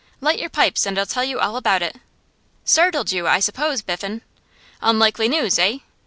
Light your pipes, and I'll tell you all about it. Startled you, I suppose, Biffen? Unlikely news, eh?